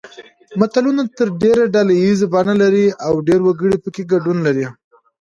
متلونه تر ډېره ډله ییزه بڼه لري او ډېر وګړي پکې ګډون لري